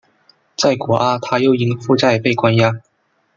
在果阿他又因负债被关押。